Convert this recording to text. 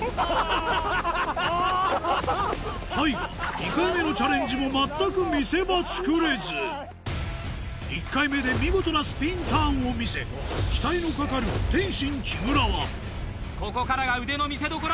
２回目のチャレンジも全く見せ場つくれず１回目で見事なスピンターンを見せ期待のかかる天津・木村はここからが腕の見せどころ